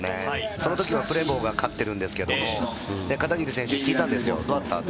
その時もプレボーが勝ってるんですけど、片桐選手に聞いたんですよ、どうだった？って。